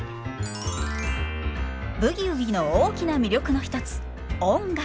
「ブギウギ」の大きな魅力の一つ音楽。